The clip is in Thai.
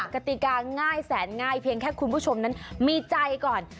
กติกาง่ายแสนง่ายเพียงแค่คุณผู้ชมนั้นมีใจก่อน